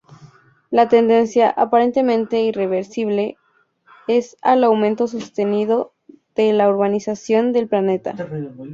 La tendencia, aparentemente irreversible, es al aumento sostenido de la urbanización del planeta.